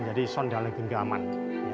jadi sound dalam lagi